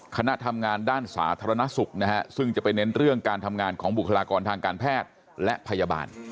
คณะทำงานด้านสาธารณสุขนะฮะซึ่งจะไปเน้นเรื่องการทำงานของบุคลากรทางการแพทย์และพยาบาล